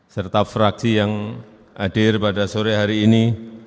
serta fraksi yang hadir pada sore hari ini